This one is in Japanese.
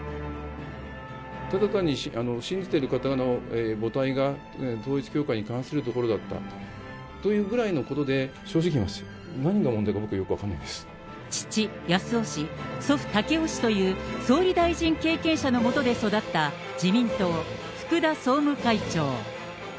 ただ単に信じている方の母体が統一教会に関するところだったというぐらいのことで、正直言います、何が問題なのか僕はよく分父、康夫氏、祖父、赳夫氏という総理大臣経験者の下で育った自民党、福田総務会長。